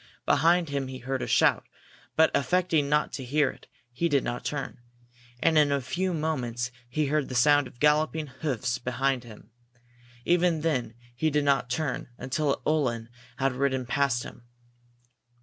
Behind him he heard a shout, but, affecting not to hear it, he did not turn. And in a few moments he heard the sound of galloping hoofs behind him. Even then he did not turn until a Uhlan had ridden past him.